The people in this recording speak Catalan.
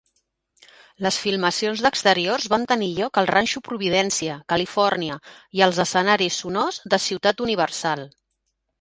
Les filmacions d'exteriors van tenir lloc al ranxo Providencia, Califòrnia, i als escenaris sonors de ciutat Universal.